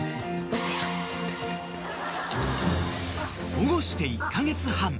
［保護して１カ月半］